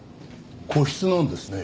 個室なんですね。